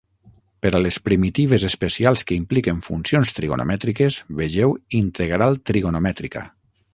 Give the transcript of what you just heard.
Per a les primitives especials que impliquen funcions trigonomètriques, vegeu Integral trigonomètrica.